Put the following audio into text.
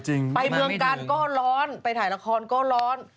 ไปเมืองกาลก็ร้อนไปถ่ายละครก็ร้อน